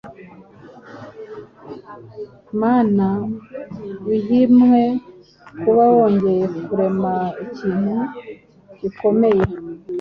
Mana uhimwe kuba wongeye kurema ikintu gikomeye